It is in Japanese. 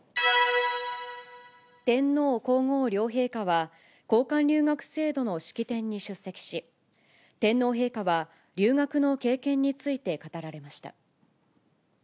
天皇皇后両陛下は、交換留学制度の式典に出席し、天皇陛下は留学の経験について語られました。